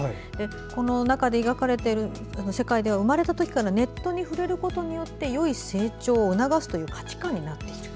この中に描かれている社会では生まれたときからネットに触れることによってよい成長を促すという価値観になっている。